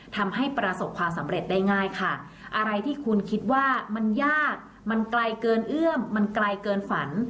ทำให้ประสบความสำเร็จได้ง่ายค่ะอะไรที่คุณคิดว่ามันยากมันไกลเกินเอื้อมมันไกลเกินฝัน